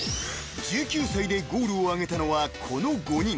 ［１９歳でゴールを挙げたのはこの５人］